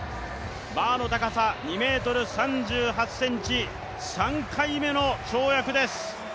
バーの高さ２ｍ３８ｃｍ、３回目の跳躍です。